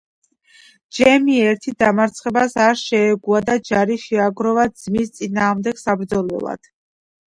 ჯემი ერთ დამარცხებას არ შეეგუა და ჯარი შეაგროვა ძმის წინააღმდეგ საბრძოლველად.